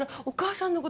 お母さん。